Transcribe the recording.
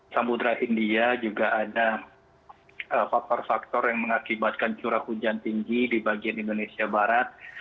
samudera india juga ada faktor faktor yang mengakibatkan curah hujan tinggi di bagian indonesia barat